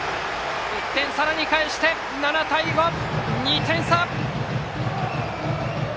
１点、さらに返して７対５２点差！